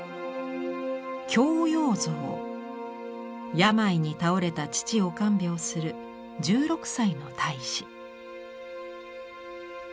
病に倒れた父を看病する１６歳の太子。